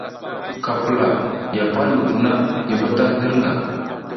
Ka pula, ya pal ɗu vuna i bam hirƞga gu.